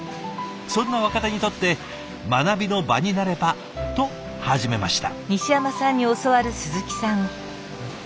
そんな若手にとって学びの場になればと始めました。